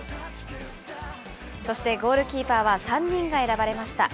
そしてゴールキーパーは、３人が選ばれました。